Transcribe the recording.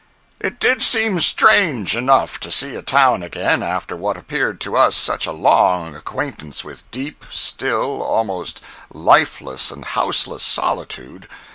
It did seem strange enough to see a town again after what appeared to us such a long acquaintance with deep, still, almost lifeless and houseless solitude!